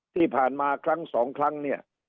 ที่ผ่านมาครั้งสองครั้งเนี่ย